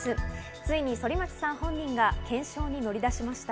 ついに反町さん本人が検証に乗り出しました。